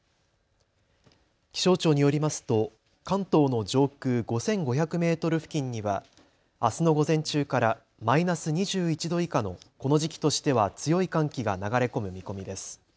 気象庁によりますと関東の上空５５００メートル付近にはあすの午前中からマイナス２１度以下のこの時期としては強い寒気が流れ込む見込みです。